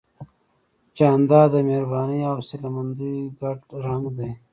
جانداد د مهربانۍ او حوصلهمندۍ ګډ رنګ دی.